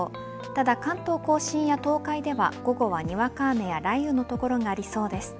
ただ、関東甲信や東海では午後はにわか雨や雷雨の所がありそうです。